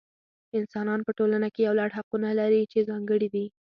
انسانان په ټولنه کې یو لړ حقونه لري چې ځانګړي دي.